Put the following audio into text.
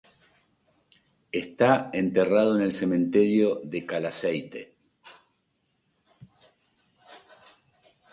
Está enterrado en el cementerio de Calaceite.